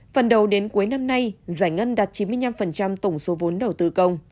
phần đầu đến cuối năm nay giải ngân đạt chín mươi năm tổng số vốn đầu tư công